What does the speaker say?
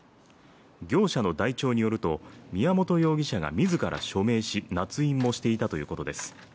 業者の台帳によると、宮本容疑者が自ら署名しなつ印もしていたということです。